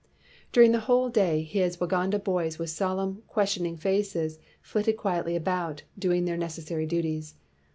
During the whole day his Waganda boys with solemn, questioning faces flitted quietly about, doing their necessary duties.